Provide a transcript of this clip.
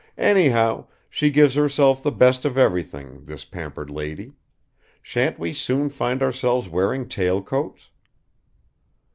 "Anyhow, she gives herself the best of everything, this pampered lady! Shan't we soon find ourselves wearing tail coats?"